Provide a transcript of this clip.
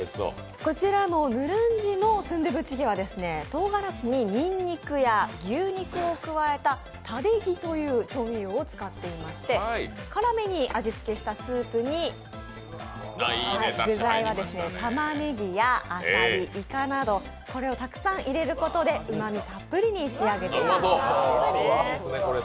こちらのヌルンジのスンドゥブチゲはとうがらしににんにくや牛肉を加えたタデギという調味料を使っていまして辛めに味付けしたスープに具材は、たまねぎや、あさり、いかなど、これをたくさん入れることでうまみたっぷりに仕上げています。